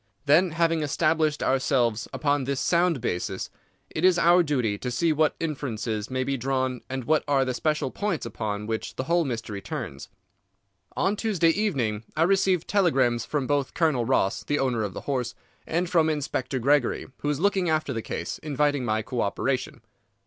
Then, having established ourselves upon this sound basis, it is our duty to see what inferences may be drawn and what are the special points upon which the whole mystery turns. On Tuesday evening I received telegrams from both Colonel Ross, the owner of the horse, and from Inspector Gregory, who is looking after the case, inviting my co operation."